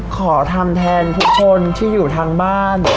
ขอทำแทนทุกคนที่อยู่ทางบ้าน